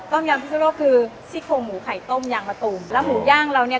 ยำพิสุโลกคือซี่โครงหมูไข่ต้มยางมะตูมแล้วหมูย่างเราเนี่ย